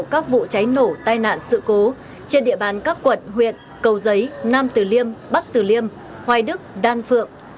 các vụ cháy nổ tai nạn sự cố trên địa bàn các quận huyện cầu giấy nam tử liêm bắc tử liêm hoài đức đan phượng